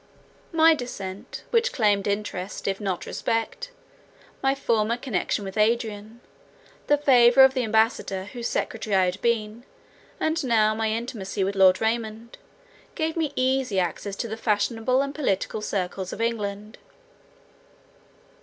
My descent, which claimed interest, if not respect, my former connection with Adrian, the favour of the ambassador, whose secretary I had been, and now my intimacy with Lord Raymond, gave me easy access to the fashionable and political circles of England.